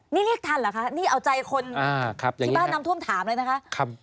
นี่เรียกทันเหรอคะนี่เอาใจคนที่บ้านน้ำท่วมถามเลยนะคะ